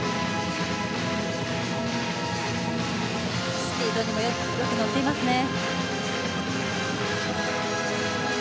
スピードにもよく乗っていますね。